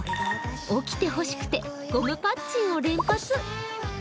起きてほしくてゴムパッチンを連発。